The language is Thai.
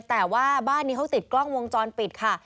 แต่ว่าบ้านนี้เขาติดกล้องวงจรปิดค่ะ